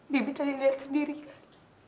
bibi tadi lihat sendiri kan